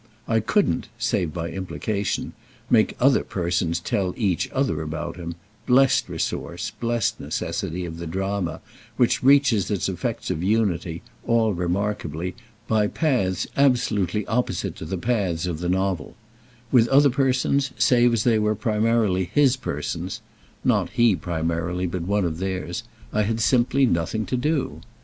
I couldn't, save by implication, make other persons tell each other about him—blest resource, blest necessity, of the drama, which reaches its effects of unity, all remarkably, by paths absolutely opposite to the paths of the novel: with other persons, save as they were primarily his persons (not he primarily but one of theirs), I had simply nothing to do.